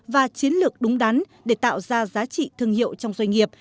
và chiến lược đúng đắn để tạo ra giá trị thương hiệu trong doanh nghiệp